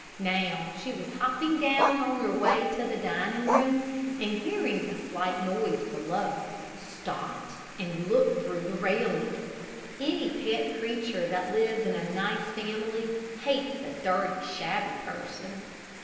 Now she was hopping down on her way to the dining room, and hearing the slight noise below, stopped and looked through the railing. Any pet creature that lives in a nice family hates a dirty, shabby person.